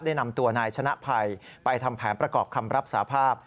นำตัวนายชนะภัยไปทำแผนประกอบคำรับสาภาพ